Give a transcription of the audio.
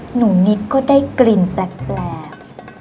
หนูนิดก็ได้กลิ่นแปลก